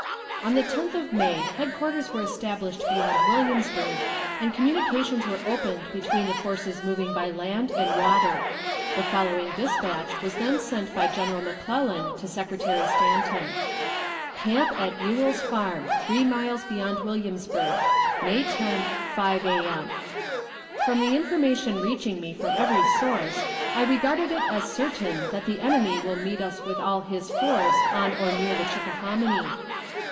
On the tenth of May headquarters were established beyond Williamsburg, and communications were opened between the forces moving by land and water. The following despatch was then sent by General McClellan to Secretary Stanton: "CAMP AT EWELL'S FARM, "Three miles beyond Williamsburg, "May 10th 5 a. m. "From the information reaching me from every source, I regard it as certain that the enemy will meet us with all his force on or near the Chickahominy.